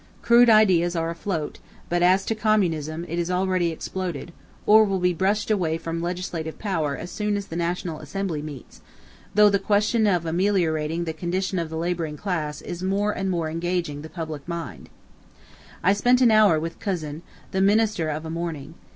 Crude ideas are afloat, but as to Communism, it is already exploded, or will be brushed away from legislative power as soon as the National Assembly meets, though the question of ameliorating the condition of the laboring class is more and more engaging the public mind." ... "I spent an hour with Cousin, the Minister of a morning.